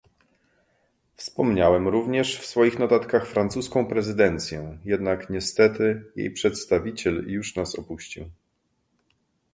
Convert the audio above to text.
Wspomniałem również w swoich notatkach francuską prezydencję, jednak niestety jej przedstawiciel już nas opuścił